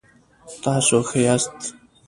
تاسو ښه یاست؟